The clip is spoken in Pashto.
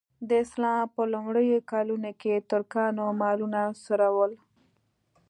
د اسلام په لومړیو کلونو کې ترکانو مالونه څرول.